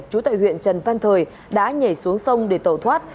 trú tại huyện trần văn thời đã nhảy xuống sông để tẩu thoát